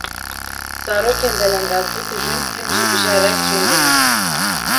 zarokên belengaz bikujin û him jî bi jara kîmyewiyê.